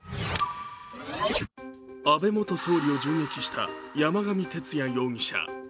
安倍元総理を銃撃した山上徹也容疑者。